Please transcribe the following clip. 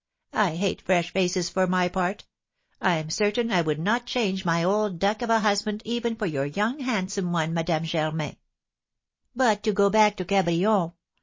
I hate fresh faces, for my part. I'm certain I would not change my old duck of a husband even for your young handsome one, Madame Germain. "But to go back to Cabrion.